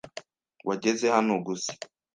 Wageze hano gusa?